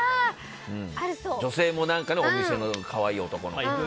女性も何かのお店の可愛い男の子とか。